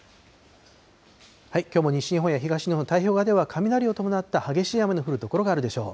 きょうも西日本や東日本、太平洋側では雷を伴った激しい雨の降る所があるでしょう。